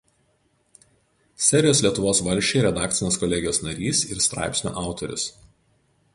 Serijos „Lietuvos valsčiai“ redakcinės kolegijos narys ir straipsnių autorius.